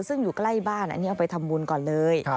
ซึ่งอยู่ใกล้บ้านอันนี้เอาไปทำบุญก่อนเลย